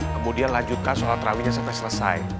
kemudian lanjutkan sholat rawinya sampai selesai